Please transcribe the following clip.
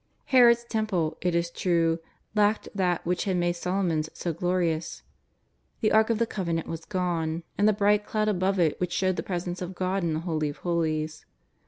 Herod^s Temple, it is true, lacked that which had made Solomon's so glorious. The Ark of the Covenant was gone, and the bright cloud above it which showed the Presence of God in the Holy of Holies.